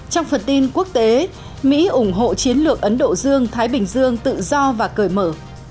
trong phần tin quốc tế mỹ ủng hộ chiến lược ấn độ dương thái bình dương tự do và cởi mở